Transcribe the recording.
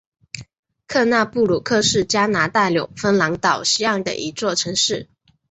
科纳布鲁克是加拿大纽芬兰岛西岸的一座城市。